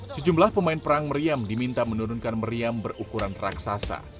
sejumlah pemain perang meriam diminta menurunkan meriam berukuran raksasa